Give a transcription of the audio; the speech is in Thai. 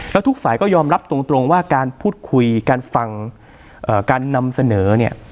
แล้วทุกฝ่ายก็ยอมรับตรงว่าการพูดคุยการฟังการนำเสนอเนี่ย